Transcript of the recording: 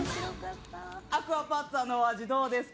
アクアパッツァのお味、どうですか？